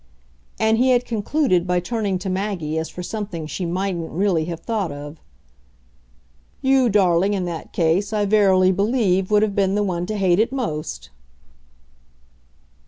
And he had concluded by turning to Maggie as for something she mightn't really have thought of. "You, darling, in that case, I verily believe, would have been the one to hate it most."